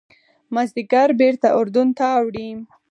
مازیګر بېرته اردن ته اوړي.